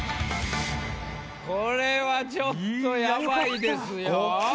これはちょっとヤバいですよ。